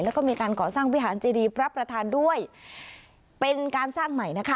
แล้วก็มีการก่อสร้างวิหารเจดีพระประธานด้วยเป็นการสร้างใหม่นะคะ